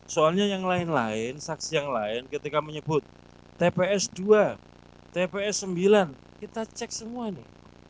soalnya yang lain lain saksi yang lain ketika menyebut tps dua tps sembilan kita cek semua nih